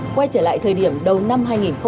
quay trở lại thời điểm đầu năm hai nghìn hai mươi